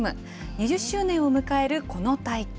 ２０周年を迎えるこの大会。